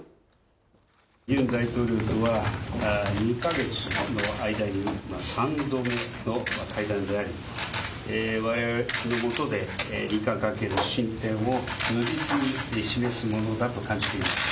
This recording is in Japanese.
ユン大統領とは２か月の間に３度目の会談となりわれわれのもとで日韓関係の進展を如実に示すものだと感じています。